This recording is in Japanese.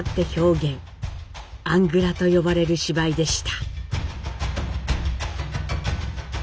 「アングラ」と呼ばれる芝居でした。